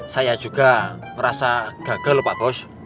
saya juga merasa gagal pak bos